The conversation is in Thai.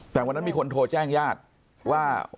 แต่วันนั้นมีคนโทรแจ้งญาติว่า